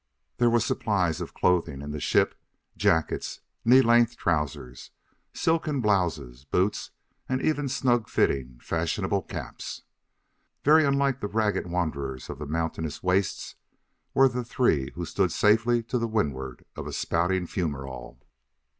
There were supplies of clothing in the ship jackets, knee length trousers, silken blouses, boots, and even snug fitting, fashionable caps. Very unlike the ragged wanderers of the mountainous wastes were the three who stood safely to windward of a spouting fumerole.